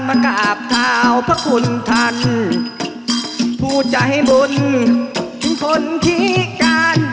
มากราบเท้าพระคุณท่านผู้ใจบุญคนพิการ